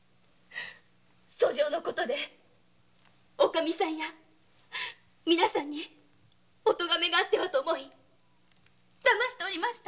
訴状の事でおかみさんやみなさんに「おとがめ」があってはと思いだましておりました。